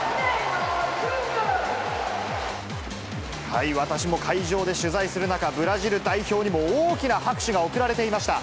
はい、私も会場で取材する中、ブラジル代表にも大きな拍手が送られていました。